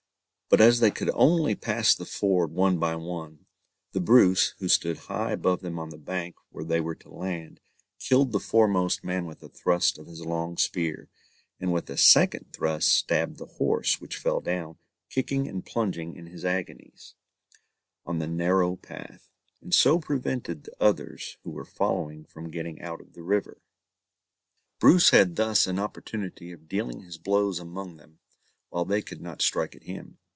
But as they could only pass the ford one by one, the Bruce, who stood high above them on the bank where they were to land, killed the foremost man with a thrust of his long spear, and with a second thrust stabbed the horse, which fell down, kicking and plunging in his agonies, on the narrow path, and so prevented the others who were following from getting out of the river. Bruce had thus an opportunity of dealing his blows among them, while they could not strike at him.